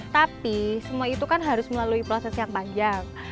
tapi semua itu kan harus melalui proses yang panjang